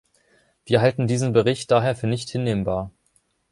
Wir halten diesen Bericht daher für nicht hinnehmbar.